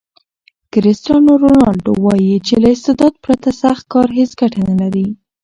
کرسټیانو رونالډو وایي چې له استعداد پرته سخت کار هیڅ ګټه نلري.